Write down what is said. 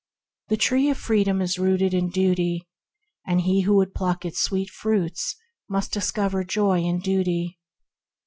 The tree of Freedom is rooted in Duty, and he who would pluck its sweet fruits must discover joy in Duty.